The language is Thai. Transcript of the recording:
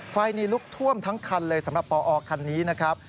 ไฟนี่ลุกท่วมทั้งคันเลยสำหรับปอคันนี้นะครับ